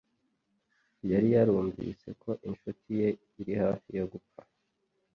Yari yarumvise ko inshuti ye iri hafi gupfa